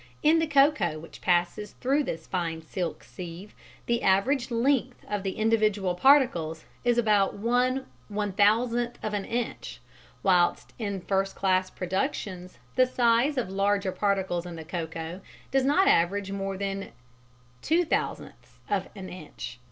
In the cocoa which passes through this fine silk sieve, the average length of the individual particles is about 0.001 inch, whilst in first class productions the size of the larger particles in the cocoa does not average more than 0.002 inch.